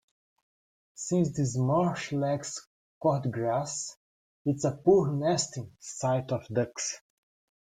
Since this marsh lacks cordgrass, it is a poor nesting site of ducks.